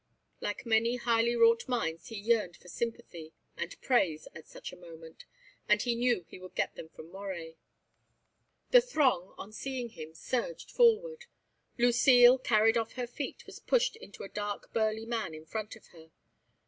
Like many highly wrought minds he yearned for sympathy and praise at such a moment; and he knew he would get them from Moret. The throng, on seeing him, surged forward. Lucile, carried off her feet, was pushed into a dark burly man in front of her.